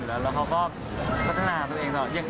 แล้วเขาก็พัฒนาตัวเองตลอด